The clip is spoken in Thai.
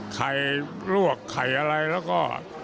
ไข่ลวกไข่อะไรแล้วก็